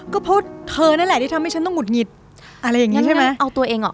ก็เพราะเธอนั่นแหละที่ทำให้ฉันต้องหุดหงิดอะไรอย่างนี้ใช่ไหมเอาตัวเองออก